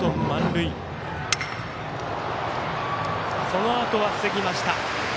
そのあとは防ぎました。